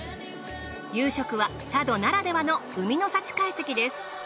夕食は佐渡ならではの海の幸会席です。